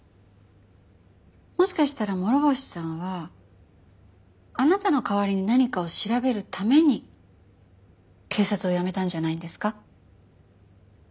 もしかしたら諸星さんはあなたの代わりに何かを調べるために警察を辞めたんじゃないんですか？